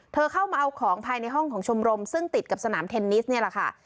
เข้ามาเอาของภายในห้องของชมรมซึ่งติดกับสนามเทนนิสนี่แหละค่ะ